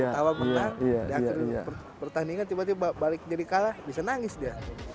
tawa pernah di akhir pertandingan tiba tiba balik jadi kalah bisa nangis dia